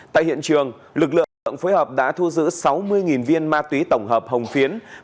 tại hiện trường lực lượng phối hợp đã thu giữ sáu mươi viên ma túy tổng hợp hồng phiến